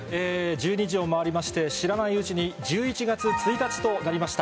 １２時を回りまして、知らないうちに１１月１日となりました。